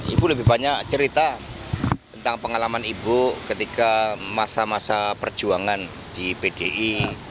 ibu lebih banyak cerita tentang pengalaman ibu ketika masa masa perjuangan di pdi